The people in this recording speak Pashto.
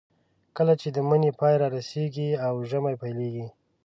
کله چې د مني پای رارسېږي او ژمی پیلېږي.